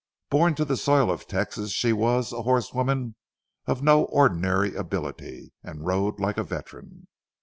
Born to the soil of Texas, she was a horsewoman of no ordinary ability, and rode like a veteran.